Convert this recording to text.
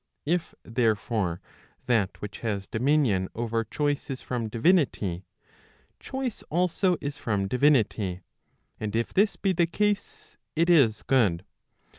If therefore that which has dominion over choice is from divinity, choice also is from divinity, and if this be the case, it is good.